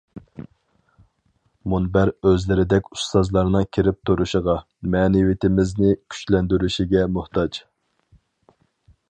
مۇنبەر ئۆزلىرىدەك ئۇستازلارنىڭ كىرىپ تۇرۇشىغا، مەنىۋىيىتىمىزنى كۈچلەندۈرۈشىگە موھتاج.